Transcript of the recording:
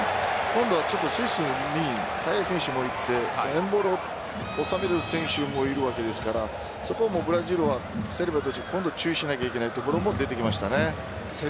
今度はスイスに速い選手もいてエムボロ、収める選手もいるわけですからそこもブラジルは今度注意しなければいけないところも出てきましたね。